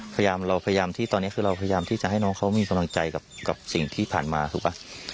พยายามเราพยายามที่ตอนนี้คือเราพยายามที่จะให้น้องเขามีกำลังใจกับสิ่งที่ผ่านมาถูกป่ะ